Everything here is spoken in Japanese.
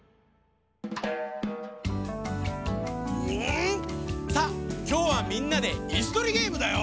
うん！さあきょうはみんなでいすとりゲームだよ。